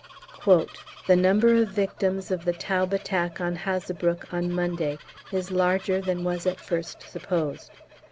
"The number of victims of the Taube attack on Hazebrouck on Monday is larger than was at first supposed.